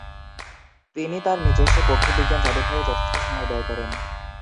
তিনি তাঁর নিজস্ব পক্ষীবিজ্ঞান জাদুঘরেও যথেষ্ট সময় ব্যয় করেন।